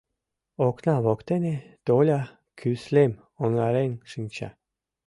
Окна воктене Толя кӱслем оҥарен шинча.